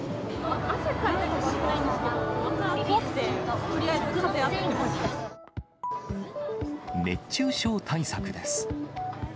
汗かいたりとかはしてないんですけど、怖くて、とりあえず風当て熱中症対策です。